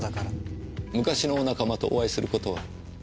昔のお仲間とお会いする事は？